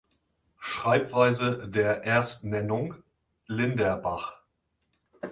Schreibweise der Erstnennung: "linderbach".